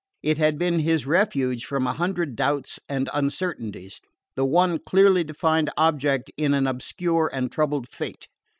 It had been his refuge from a hundred doubts and uncertainties, the one clearly defined object in an obscure and troubled fate.